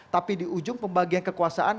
tapi di ujung pembagian kekuasaan